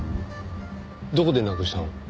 どこでなくしたの？